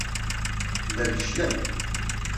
Llan feclen.